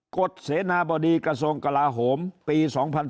กฎเสนาบดีกระทรวงกลาโหมปี๒๕๔